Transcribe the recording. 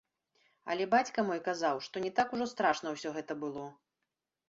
Але бацька мой казаў, што не так ужо страшна ўсё гэта было.